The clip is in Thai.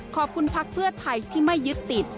ขอบคุณพักเพื่อไทยที่ไม่ยึดติด